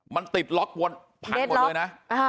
มันติดล็อกวนพังหมดเลยนะ